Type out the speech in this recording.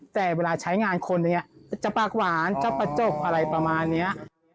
แต่เวลาใช้งานคนอย่างนี้จะปากหวานจะประจบอะไรประมาณนี้